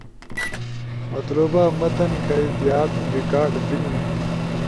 [مطلوبہ متن کائی زیاد ریکارڈ بیلنو]